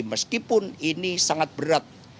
meskipun ini sangat berat